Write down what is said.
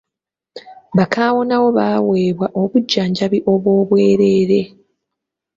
Bakaawonawo baaweebwa obujjanjabi obw'obwereere.